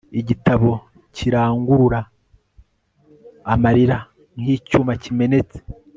Igitabo kirangurura amarira nkicyuma kimenetse